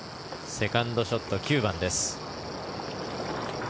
セカンドショット９番です。